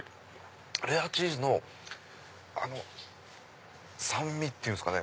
レアチーズの酸味って言うんすかね。